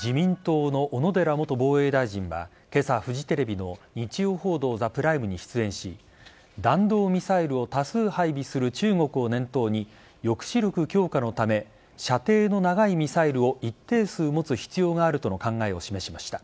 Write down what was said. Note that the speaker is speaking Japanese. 自民党の小野寺元防衛大臣は今朝、フジテレビの「日曜報道ＴＨＥＰＲＩＭＥ」に出演し弾道ミサイルを多数配備する中国を念頭に抑止力強化のため射程の長いミサイルを一定数持つ必要があるとの考えを示しました。